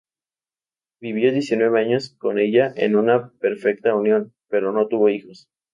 Vivió diecinueve años con ella en una perfecta unión, pero no tuvo hijos.